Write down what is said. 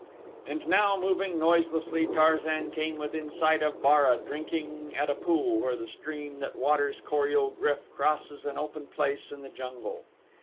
And now, moving noiselessly, Tarzan came within sight of Bara drinking at a pool where the stream that waters Kor ul GRYF crosses an open place in the jungle.